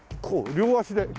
両足で。